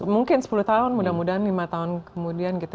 mungkin sepuluh tahun mudah mudahan lima tahun kemudian gitu